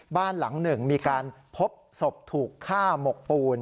บ้านหลังหนึ่งมีการพบศพถูกฆ่าหมกปูน